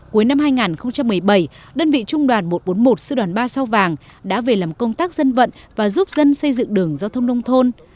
cuối năm hai nghìn một mươi bảy đơn vị trung đoàn một trăm bốn mươi một sư đoàn ba sao vàng đã về làm công tác dân vận và giúp dân xây dựng đường giao thông nông thôn